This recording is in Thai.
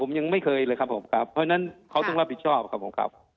ผมยังไม่เคยเลยครับผมครับเพราะฉะนั้นเขาต้องรับผิดชอบครับผมครับ